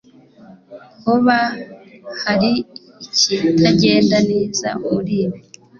hoba hari ikitagenda neza muribi